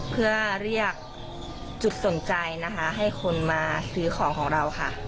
เพื่อเรียกจุดสนใจนะคะให้คนมาซื้อของของเราค่ะ